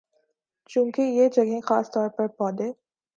چونکہ یہ جگہیں خاص طور پر پودے